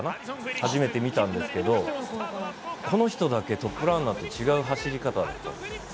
初めて見たんですけどこの人だけトップランナーと違う走り方なんですよ。